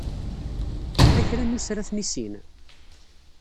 Yella kra nuser ad t-nissin?